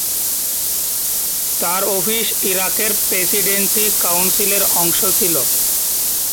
তার অফিস ইরাকের প্রেসিডেন্সি কাউন্সিলের অংশ ছিল।